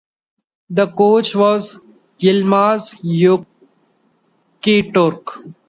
The coach was Yilmaz Yuceturk.